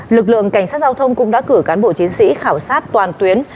lực lượng cảnh sát giao thông cũng đã cử cán bộ chiến sĩ khảo sát toàn tuyến